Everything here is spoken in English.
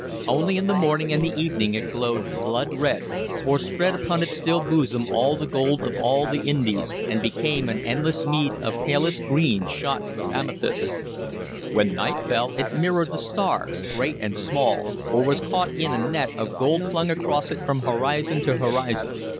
Only in the morning and the evening it glowed blood red, or spread upon its still bosom all the gold of all the Indies, or became an endless mead of palest green shot with amethyst. When night fell, it mirrored the stars, great and small, or was caught in a net of gold flung across it from horizon to horizon.